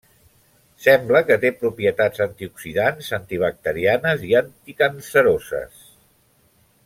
Sembla que té propietats antioxidants, antibacterianes i anticanceroses.